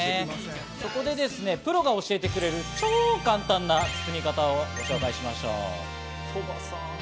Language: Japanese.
そこでプロが教えてくれる、超簡単な包み方をお伺いしましょう。